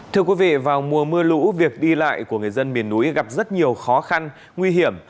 thưa quý vị vào mùa mưa lũ việc đi lại của người dân miền núi gặp rất nhiều khó khăn nguy hiểm